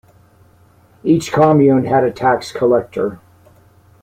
Each commune had a tax collector.